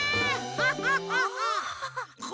ハハハハ。